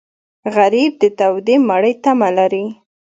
غریب د تودې مړۍ تمه لري